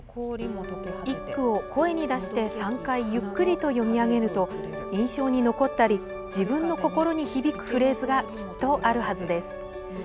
一句を声に出して３回ゆっくりと読み上げると印象に残ったり自分の心に響くフレーズがきっとあるはずです。